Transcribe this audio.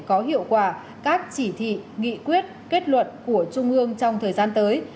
có hiệu quả các chỉ thị nghị quyết kết luận của trung ương trong thời gian tới